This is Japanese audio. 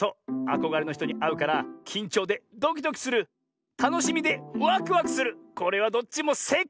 あこがれのひとにあうからきんちょうでドキドキするたのしみでワクワクするこれはどっちもせいかい！